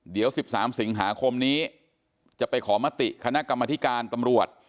เดี๋ยว๑๓สิงหาคมนี้จะไปขอมติคณะกรรมธิการตำรวจ